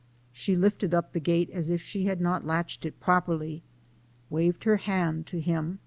She lifted up the gate as if she had not latched it properly, waved her hand to him.